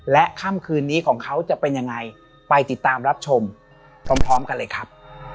และค่ำคืนนี้ของเขาจะเป็นยังไงไปติดตามรับชมพร้อมกันเลยครับ